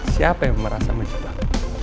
siapa yang merasa menjibak